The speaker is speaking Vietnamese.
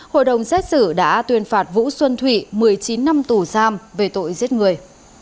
hội đồng xét xử đã tuyên phạt vũ xuân thụy một mươi chín năm tù giam về tội giết người